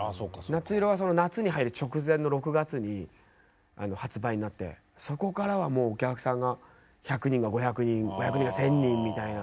「夏色」は夏に入る直前の６月に発売になってそこからはもうお客さんが１００人が５００人５００人が１，０００人みたいな。